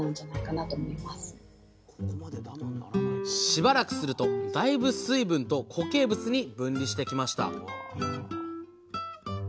しばらくするとだいぶ水分と固形物に分離してきました